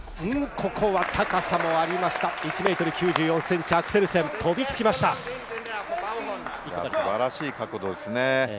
ここは高さもありました、１ｍ９４ｃｍ、アクセルセンが飛びつ素晴らしい角度ですね。